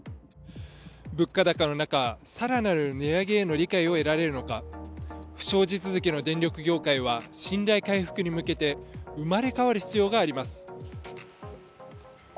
物価高の中、更なる値上げへの理解を得られるのか不祥事続きの電力業界は信頼回復に向けて生まれ変わる必要があります。